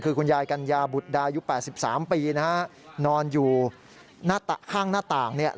คือคุณยายกัญญาบุฎาอายุ๘๓ปี